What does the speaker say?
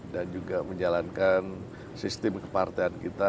dan juga menjalankan sistem kepartean kita